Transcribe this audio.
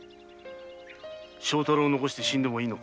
庄太郎を残して死んでもいいのか？